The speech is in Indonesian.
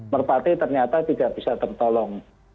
merpati ternyata tidak bisa tertolong